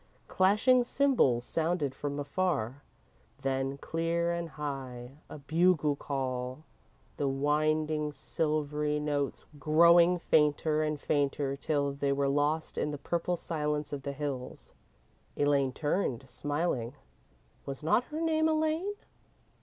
Clashing cymbals sounded from afar, then, clear and high, a bugle call, the winding silvery notes growing fainter and fainter till they were lost in the purple silence of the hills. Elaine turned, smiling was not her name Elaine?